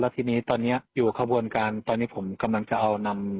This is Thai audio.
ทีนี้ตอนนี้อยู่ขบวนการตอนนี้ผมกำลังจะเอานำ